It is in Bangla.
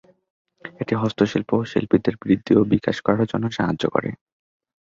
এটি হস্তশিল্প ও শিল্পীদের বৃদ্ধি ও বিকাশ করার জন্য সাহায্য করে।